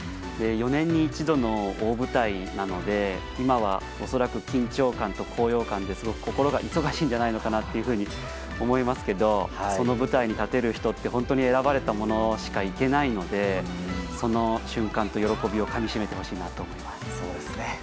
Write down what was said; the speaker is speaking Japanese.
４年に一度の大舞台なので今はおそらく緊張感と高揚感で心が忙しんじゃないかと思いますけどその舞台に立てる人って本当に選ばれた者しか行けないのでその瞬間と喜びをかみしめてほしいなと思います。